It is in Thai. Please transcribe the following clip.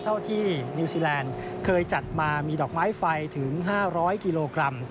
เท่าที่นิวซีแลนด์เคยจัดมามีดอกไม้ไฟถึง๕๐๐กิโลกรัม